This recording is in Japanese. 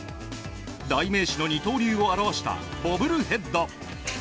代名詞の二刀流を表したボブルヘッド。